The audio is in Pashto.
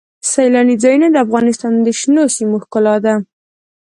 سیلانی ځایونه د افغانستان د شنو سیمو ښکلا ده.